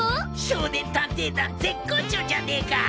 少年探偵団絶好調じゃねか！